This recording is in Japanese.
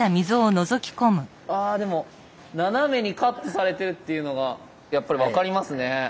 ああでも斜めにカットされてるっていうのがやっぱり分かりますね。